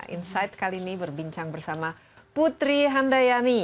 insight kali ini berbincang bersama putri handayani